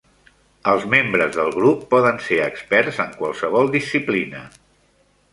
Els membres del grup poden ser experts en qualsevol disciplina.